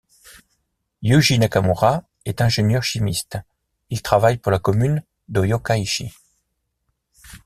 Yuji Nakamura est ingénieur chimiste, il travaille pour la commune de Yokkaichi.